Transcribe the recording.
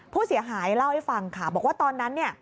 ผู้เสียหายเล่าให้ฟังค่ะบอกว่าตอนนั้นเนี่ย